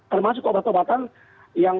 termasuk obat obatan yang